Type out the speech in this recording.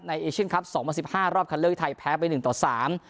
เอเชียนคลับสองพันสิบห้ารอบคันเลือกที่ไทยแพ้ไปหนึ่งต่อสาม